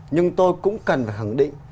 nhưng tôi cũng cần phải khẳng định